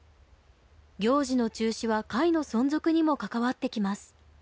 行事の中止は会の存続にも関わってきます。